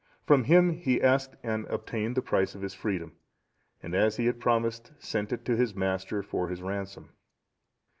From him he asked and obtained the price of his freedom, and as he had promised, sent it to his master for his ransom.